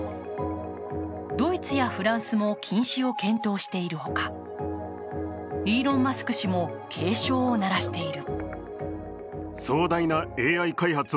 ドイツやフランスも禁止を検討しているほか、イーロン・マスク氏も警鐘を鳴らしている。